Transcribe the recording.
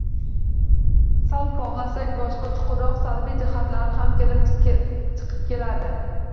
Sal “kovlasak” boshqa – chuqurroq salbiy jihatlari ham chiqib keladi